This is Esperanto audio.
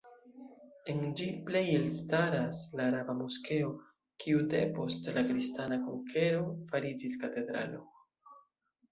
En ĝi plej elstaras la araba Moskeo, kiu depost la kristana konkero fariĝis katedralo.